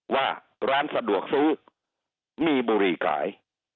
ว่าร้านสะดวกซื้อมีบุรีขาย